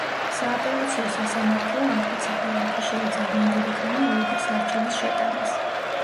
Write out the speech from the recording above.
სააპელაციო სასამართლო ამტკიცებდა, რომ ფიშერი ძალიან დიდი ხანი ელოდა სარჩელის შეტანას.